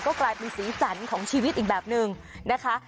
กลายเป็นสีสันของชีวิตอีกแบบนึงนะคะ